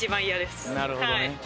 ［なるほどね］